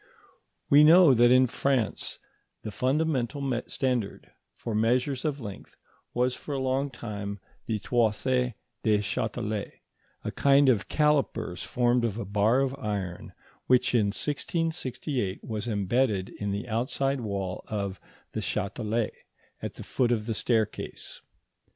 We know that in France the fundamental standard for measures of length was for a long time the Toise du Châtelet, a kind of callipers formed of a bar of iron which in 1668 was embedded in the outside wall of the Châtelet, at the foot of the staircase.